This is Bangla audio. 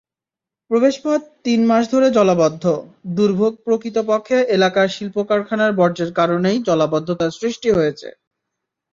প্রবেশপথ তিন মাস ধরে জলাবদ্ধ, দুর্ভোগপ্রকৃতপক্ষে এলাকার শিল্পকারখানার বর্জ্যের কারণেই জলাবদ্ধতার সৃষ্টি হয়েছে।